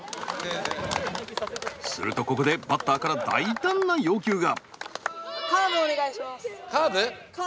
するとここでバッターから大胆な要求が。